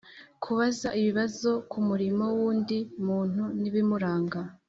kubaza ibibazo ku murimo w‘undi muntu n‘ibimuranga.